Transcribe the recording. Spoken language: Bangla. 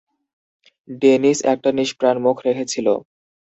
ডেনিস একটা নিষ্প্রাণ মুখ রেখেছিল।